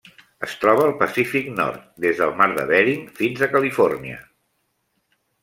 Es troba al Pacífic nord: des del Mar de Bering fins a Califòrnia.